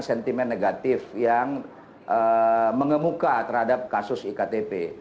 sentimen negatif yang mengemuka terhadap kasus iktp